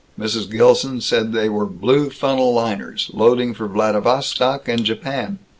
Mrs. Gilson said they were Blue Funnel Liners, loading for Vladivostok and Japan.